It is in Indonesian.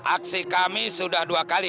aksi kami sudah dua kali